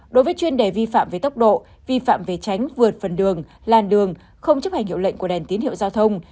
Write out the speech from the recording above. đối với chuyên đề vi phạm về tốc độ vi phạm về tránh vượt phần đường làn đường không chấp hành hiệu lệnh của đèn tín hiệu giao thông